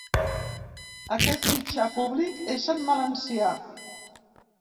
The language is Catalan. Aquest mitjà públic és en valencià.